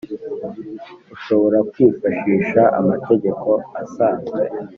ushobora kwifashisha amategeko asanzwe